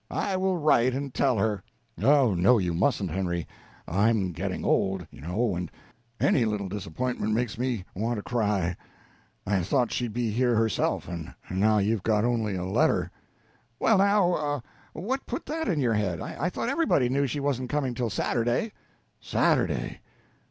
I will write and tell her." "Oh no, you mustn't, Henry. I'm getting old, you know, and any little disappointment makes me want to cry. I thought she'd be here herself, and now you've got only a letter." "Well, now, what put that in your head? I thought everybody knew she wasn't coming till Saturday." "Saturday!